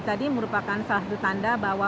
tadi merupakan salah satu tanda bahwa